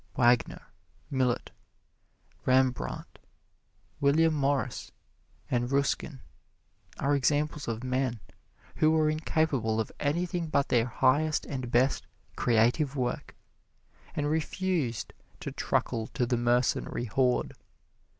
Wagner, Millet, Rembrandt, William Morris and Ruskin are examples of men who were incapable of anything but their highest and best creative work, and refused to truckle to the mercenary horde.